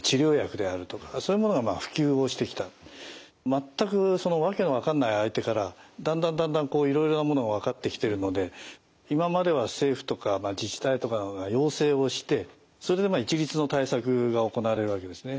まったく訳の分かんない相手からだんだんだんだんいろいろなものが分かってきてるので今までは政府とか自治体とかが要請をしてそれで一律の対策が行われるわけですね。